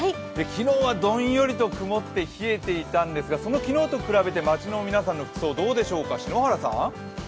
昨日はどんよりと曇って冷えていたんですがその昨日と比べて街の皆さんの服装どうでしょうか。